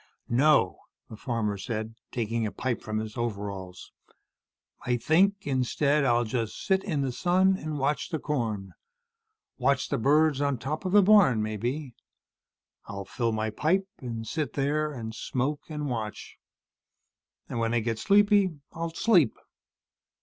"No," the farmer said, taking a pipe from his overalls. "I think instead, I'll just sit in the sun and watch the corn. Watch the birds on top of the barn, maybe. I'll fill my pipe and sit there and smoke and watch. And when I get sleepy, I'll sleep.